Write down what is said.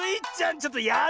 ちょっとやるな！